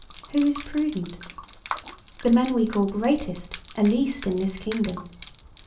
Who is prudent? The men we call greatest are least in this kingdom.